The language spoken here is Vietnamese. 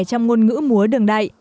trong ngôn ngữ múa đường đại